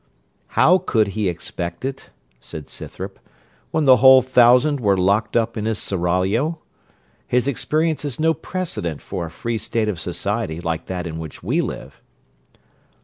'How could he expect it,' said Scythrop, 'when the whole thousand were locked up in his seraglio? His experience is no precedent for a free state of society like that in which we live.'